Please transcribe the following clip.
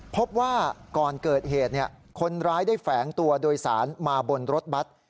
พบว่าก่อนเกิดเหตุคนร้ายได้แฝงตัวโดยสารมาบนรถบัตร